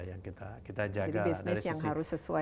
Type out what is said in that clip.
yang kita jaga jadi bisnis yang harus sesuai